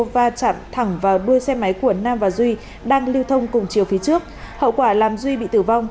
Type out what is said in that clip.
và chạm thẳng vào đuôi xe máy của nam và duy đang lưu thông cùng chiều phía trước hậu quả làm duy bị tử vong